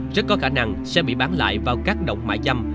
rất có khả năng sẽ bị bán lại vào các động mãi chăm